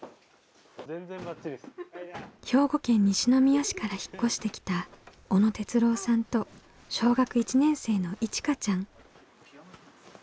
兵庫県西宮市から引っ越してきた小野哲郎さんと小学１年生のいちかちゃん。